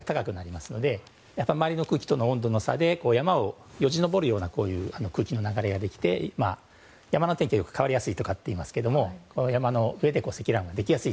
山のほうも地面のほうは加熱されて夏は温度が高くなりますので周りの空気との温度の差で山をよじ登るような空気の流れができて山の天気は変わりやすいとよくいいますけれども山の上で積乱雲ができやすい。